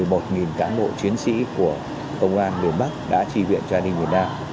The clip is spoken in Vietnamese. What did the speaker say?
vơn một mươi một cán bộ chiến sĩ của công an miền bắc đã tri viện cho an ninh miền nam